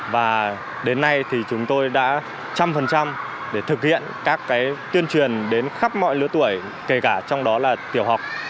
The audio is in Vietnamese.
và đến nay thì chúng tôi đã một trăm linh để thực hiện các tuyên truyền đến khắp mọi lứa tuổi kể cả trong đó là tiểu học